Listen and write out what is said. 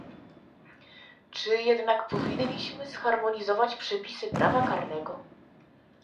Czy jednak powinniśmy zharmonizować przepisy prawa karnego?